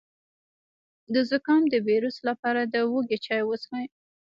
د زکام د ویروس لپاره د هوږې چای وڅښئ